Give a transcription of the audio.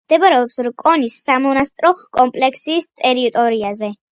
მდებარეობს რკონის სამონასტრო კომპლექსის ტერიტორიაზე.